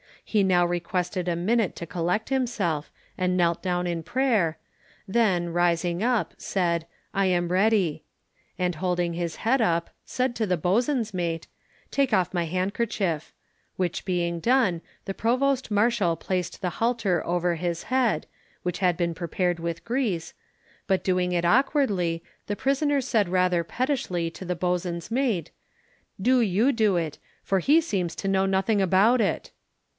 He now requested a minute to collect himself, and knelt down in prayer, then, rising up, said, "I am ready," and holding his head up, said to the boatswain's mate, "take off my handkerchief," which being done, the Provost Marshal placed the halter over his head (which had been prepared with grease), but doing it awkwardly, the prisoner said rather pettishly to the boatswain's mate, "Do you do it, for he seems to know nothing about it!"